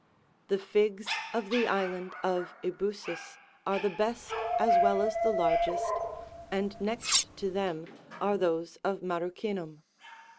85 The figs of the island of Ebusus 86 are the best as well as the largest, and next to them are those of Marrueinum.